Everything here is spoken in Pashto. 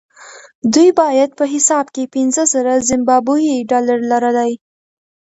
دوی باید په حساب کې پنځه زره زیمبابويي ډالر لرلای.